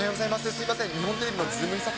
すみません、日本テレビのズームイン！！